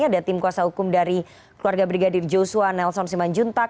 ada tim kuasa hukum dari keluarga brigadir joshua nelson simanjuntak